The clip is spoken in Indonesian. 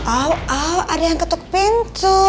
oh oh ada yang ketuk pintu